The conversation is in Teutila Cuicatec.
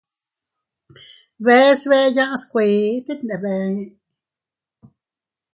Bees bee yaʼas kuee, tet ndebe ee.